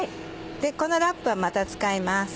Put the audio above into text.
このラップはまた使います。